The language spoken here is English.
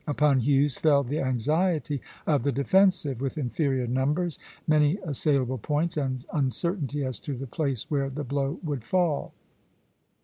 Upon Hughes fell the anxiety of the defensive, with inferior numbers, many assailable points, and uncertainty as to the place where the blow would fall.